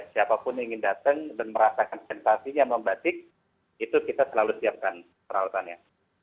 siapapun yang ingin datang dan merasakan sensasinya membatik itu kita selalu siapkan peralatannya